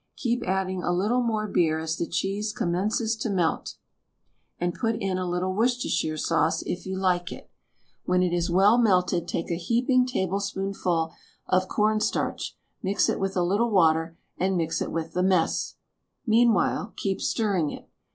Keep adding a little more beer as the cheese commences to melt THE STAG COOK BOOK and put in a little Worcestershire sauce, if you like it. When it is well melted take a heaping tablespoonful of corn starch, mix it with a little water, and mix it with the mess. Meanwhile keep stirring it.